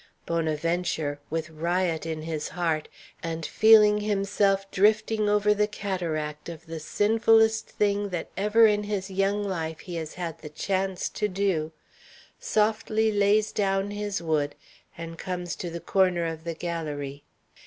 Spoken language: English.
Bonaventure, with riot in his heart, and feeling himself drifting over the cataract of the sinfullest thing that ever in his young life he has had the chance to do, softly lays down his wood, and comes to the corner of the galérie.